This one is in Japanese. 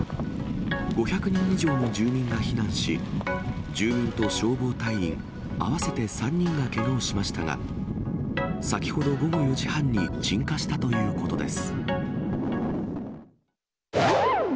５００人以上の住民が避難し、住民と消防隊員合わせて３人がけがをしましたが、先ほど午後４時半に鎮火したということです。